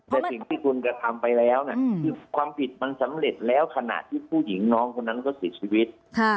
แต่สิ่งที่คุณกระทำไปแล้วคือความผิดมันสำเร็จแล้วขณะที่ผู้หญิงน้องคนนั้นก็เสียชีวิต